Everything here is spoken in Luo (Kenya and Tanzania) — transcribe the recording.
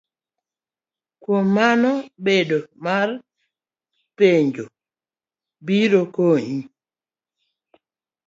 Kuom mano, bedoe mar puonjno biro konyo